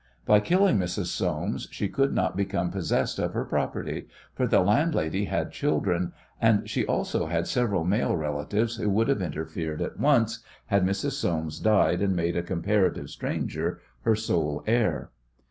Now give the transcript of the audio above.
By killing Mrs. Soames she could not become possessed of her property, for the landlady had children, and she also had several male relatives who would have interfered at once had Mrs. Soames died and made a comparative stranger her sole heir.